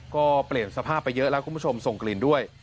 ก็เปลี่ยนสภาพไปเยอะแล้วคุณผู้ชมส่งกลิ่นด้วย